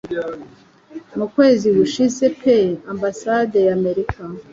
Mu kwezi gushize pe Ambasade ya Amerika